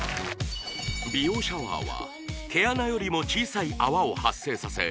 美容シャワーは毛穴よりも小さい泡を発生させ